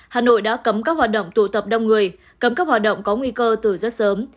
hà nội đã cấm các hoạt động tụ tập đông người cấm các hoạt động có nguy cơ từ rất sớm